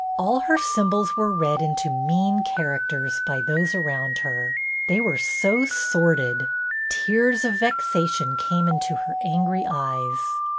All her symbols were read into mean characters by those around her; they were so sordid. Tears of vexation came into her angry eyes.